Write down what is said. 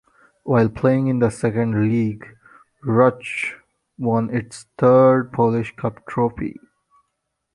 While playing in the second league Ruch won its third Polish Cup trophy.